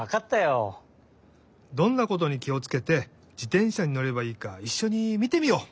どんなことにきをつけて自転車にのればいいかいっしょにみてみよう！